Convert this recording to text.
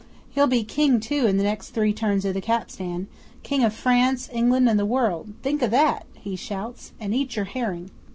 He'll be King, too, in the next three turns of the capstan King of France, England, and the world! Think o' that!" he shouts, "and eat your herring."